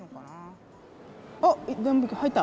おっ入った？